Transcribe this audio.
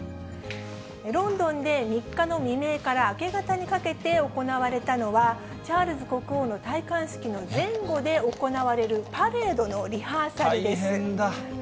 ロンドンで、３日の未明から明け方にかけて行われたのは、チャールズ国王の戴冠式の前後で行われるパレードのリハーサルで大変だ。